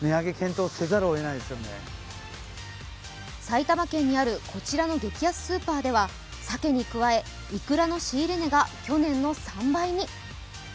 埼玉県にあるこちらの激安スーパーでは、さけに加え、イクラの仕入れ値が去年の３倍に。